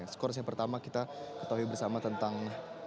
skors yang pertama kita ketahui bersama tentang